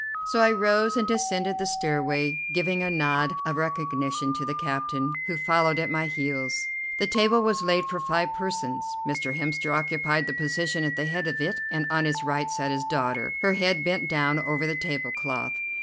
So I rose and descended the stairway, giving a nod of recognition to the captain, who followed at my heels. The table was laid for five persons. Mr. Hemster occupied the position at the head of it, and on his right sat his daughter, her head bent down over the tablecloth.